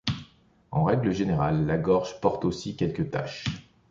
En règle générale, la gorge porte aussi quelques taches.